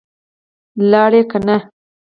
لاړې که نه؟